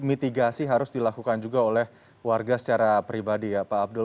mitigasi harus dilakukan juga oleh warga secara pribadi ya pak abdul